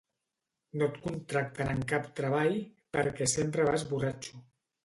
No et contracten en cap treball perquè sempre vas borratxo